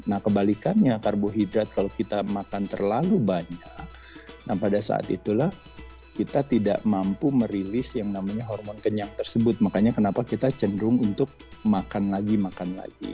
nah kebalikannya karbohidrat kalau kita makan terlalu banyak nah pada saat itulah kita tidak mampu merilis yang namanya hormon kenyang tersebut makanya kenapa kita cenderung untuk makan lagi makan lagi